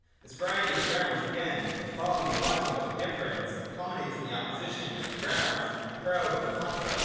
This variety of grounds, again, following the logic of difference, culminates in opposition of grounds fro and contra.